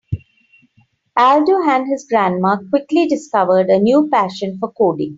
Aldo and his grandma quickly discovered a new passion for coding.